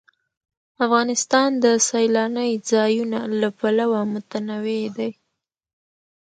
افغانستان د سیلانی ځایونه له پلوه متنوع دی.